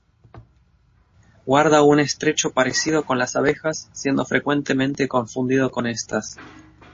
Guarda un estrecho parecido con las abejas siendo frecuentemente confundido con estas.